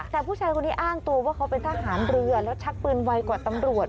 แต่ผู้ชายคนนี้อ้างตัวว่าเขาเป็นทหารเรือแล้วชักปืนไวกว่าตำรวจ